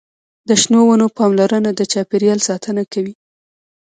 د شنو ونو پاملرنه د چاپیریال ساتنه کوي.